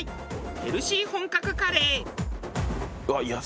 ヘルシー本格カレー。